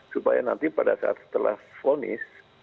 supaya nanti pada saat setelah fonis